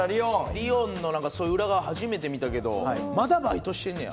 理音の裏側、初めて見たけどまだバイトしてんねや。